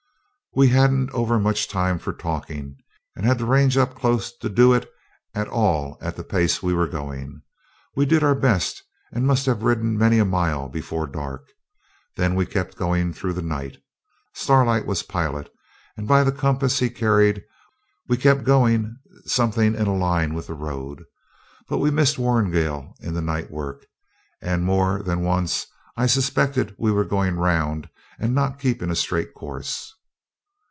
We hadn't over much time for talking, and had to range up close to do it at all at the pace we were going. We did our best, and must have ridden many a mile before dark. Then we kept going through the night. Starlight was pilot, and by the compass he carried we were keeping something in a line with the road. But we missed Warrigal in the night work, and more than once I suspected we were going round and not keeping a straight course.